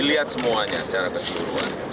dilihat semuanya secara keseluruhan